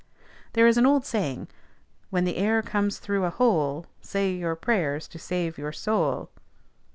There is an old saying, "When the air comes through a hole, Say your prayers to save your soul."